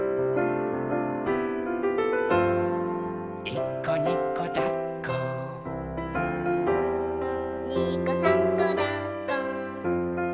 「いっこにこだっこ」「にこさんこだっこ」